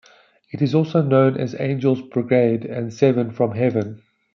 It is also known as Angels' Brigade and Seven from Heaven.